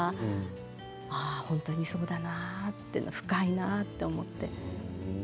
本当にそうだなと深いなと思って。